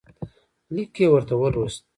لیک یې ورته ولوست.